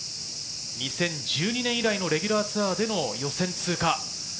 ２０１２年以来のレギュラーツアーでの予選通過。